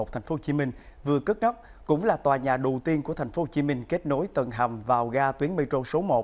tp hcm vừa cất nắp cũng là tòa nhà đầu tiên của tp hcm kết nối tầng hầm vào ga tuyến metro số một